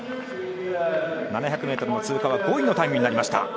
７００ｍ通過は５位のタイムになりました。